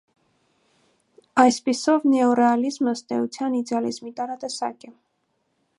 Այսպիսով նեոռեալիզմը ըստ էության իդեալիզմի տարատեսակ է։